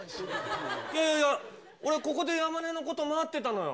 いやいやいや、俺、ここで山根のこと待ってたのよ。